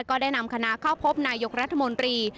ก็ได้นำคณะเข้าพบนายกรัฐมนตรี